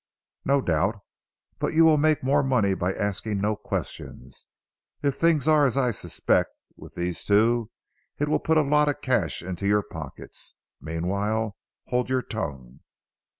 "No doubt; but you will make more money by asking no questions. If things are as I suspect with these two it will put a lot of cash into your pockets. Meanwhile, hold your tongue."